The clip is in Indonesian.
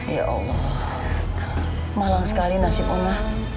ya allah malang sekali nasib allah